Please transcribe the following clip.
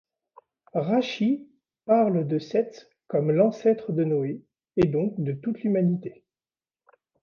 Rachi parle de Seth comme l'ancêtre de Noé, et donc de toute l'humanité.